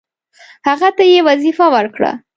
هغه ته یې وظیفه ورکړه.